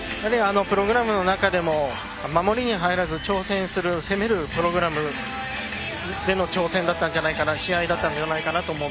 プログラムの中でも守りに入らず、挑戦する攻めるプログラムでの挑戦試合だったんじゃないかなと思います。